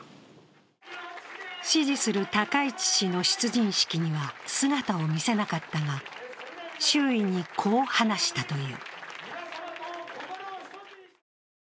支持する高市氏の出陣式には姿を見せなかったが、周囲にこう話したという。